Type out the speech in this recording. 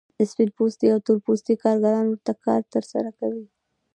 سپین پوستي او تور پوستي کارګران ورته کار ترسره کوي